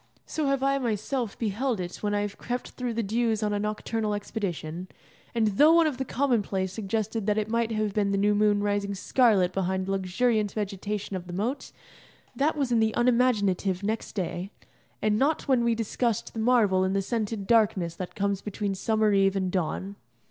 So have I myself beheld it when I have crept through the dews on a nocturnal expedition: and though one of the commonplace suggested that it might have been the new moon rising scarlet behind the luxuriant vegetation of the moat, that was in the unimaginative next day, and not when we discussed the marvel in the scented darkness that comes between summer eve and dawn.